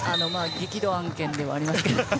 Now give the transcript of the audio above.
激怒案件ではありますけど。